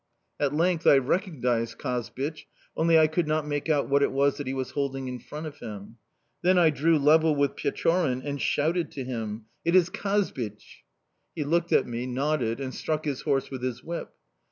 At length I recognised Kazbich, only I could not make out what it was that he was holding in front of him. "Then I drew level with Pechorin and shouted to him: "'It is Kazbich!' "He looked at me, nodded, and struck his horse with his whip.